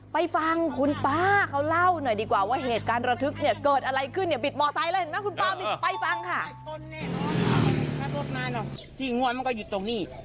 ไปฟังคุณป้าเขาเล่าหน่อยดีกว่าว่าเหตุการณ์ระทุกข์เกิดอะไรขึ้น